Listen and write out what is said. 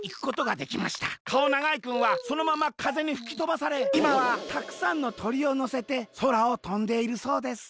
かおながいくんはそのままかぜにふきとばされいまはたくさんのとりをのせてそらをとんでいるそうです。